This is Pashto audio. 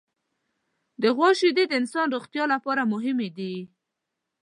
د غوا شیدې د انسان د روغتیا لپاره مهمې دي.